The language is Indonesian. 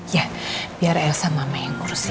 ya biar elsa mama yang ngurus ya